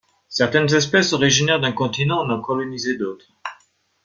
Certaines espèces originaires d'un continent en ont colonisées d'autres.